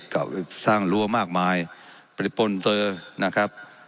กับสร้างรั้วมากมายปริปนเตอนะครับ